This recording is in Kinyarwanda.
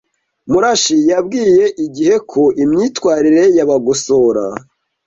Murashi yabwiye IGIHE ko imyitwarire ya Bagosora